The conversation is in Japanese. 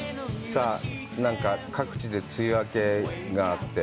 さあ、なんか各地で梅雨明けがあって。